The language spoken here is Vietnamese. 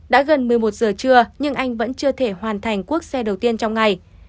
đã gần một mươi một giờ trưa nhưng anh vẫn chưa thể hoàn thành cuốc xe đầu tiên trong ngày